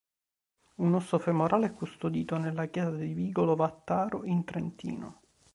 Un osso femorale è custodito nella chiesa di Vigolo Vattaro, in Trentino.